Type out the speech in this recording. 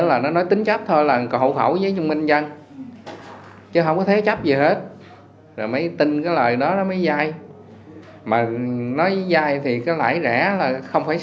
anh phan thanh hơn bốn mươi bảy tuổi chú cùng địa phương